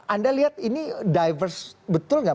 anda lihat ini diverse betul nggak